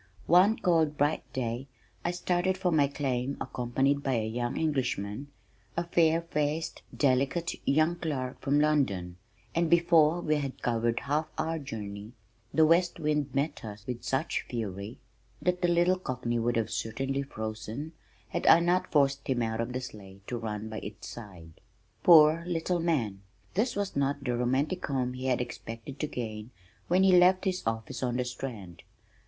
One cold, bright day I started for my claim accompanied by a young Englishman, a fair faced delicate young clerk from London, and before we had covered half our journey the west wind met us with such fury that the little cockney would certainly have frozen had I not forced him out of the sleigh to run by its side. Poor little man! This was not the romantic home he had expected to gain when he left his office on the Strand.